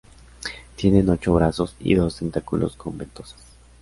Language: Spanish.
Tienen ocho brazos y dos tentáculos con ventosas.